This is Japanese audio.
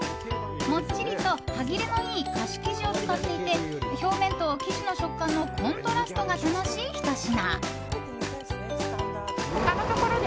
もっちりと歯切れのいい菓子生地を使っていて表面と生地の食感のコントラストが楽しいひと品。